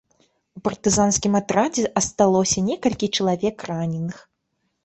У партызанскім атрадзе асталося некалькі чалавек раненых.